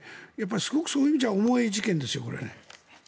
すごくそういう意味では重い事件ですよ。